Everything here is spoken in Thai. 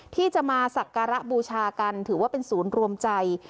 ที่จะมาสักการะบูชากันถือว่าเป็นศูนย์รวมใจ